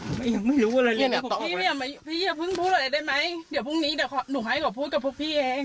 เนี้ยพี่เนี้ยพี่อย่าเพิ่งพูดอะไรได้ไหมเดี๋ยวพรุ่งนี้เดี๋ยวหนูให้ก่อพูดกับพวกพี่เอง